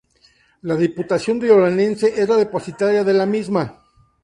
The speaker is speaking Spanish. La Diputación de Orense es la depositaria de la misma.